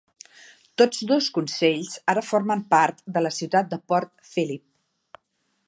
Tots dos Consells ara formen part de la ciutat de Port Phillip.